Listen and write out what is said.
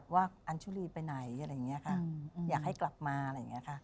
อัญชุรีไปไหนอะไรอย่างนี้ค่ะอยากให้กลับมาอะไรอย่างนี้ค่ะ